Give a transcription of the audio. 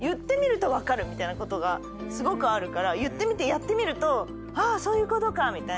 みたいなことがすごくあるから言ってみてやってみるとあそういうことか！みたいな。